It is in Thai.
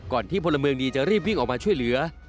ที่พลเมืองดีจะรีบวิ่งออกมาช่วยเหลือ